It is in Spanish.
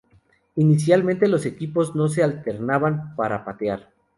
Inicialmente, los equipos no se alternaban para patear.